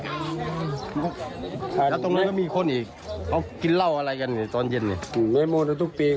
แล้วตรงนี้ก็มีคนอีกเขากินเหล้าอะไรกันตอนเย็น